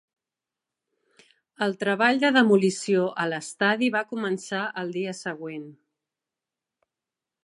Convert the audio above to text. El treball de demolició a l'estadi va començar al dia següent.